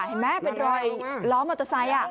เห็นไหมเป็นรอยล้อมอเตอร์ไซค์